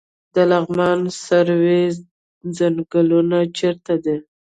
د لغمان سروې ځنګلونه چیرته دي؟